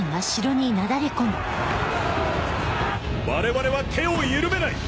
我々は手を緩めない。